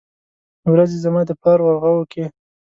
ورځې زما د پلار ورغوو کې ،